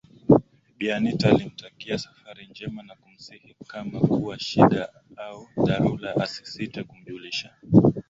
Bi Anita alimtakia safari njema na kumsihi kama kuna shida au dharula asisite kumjulisha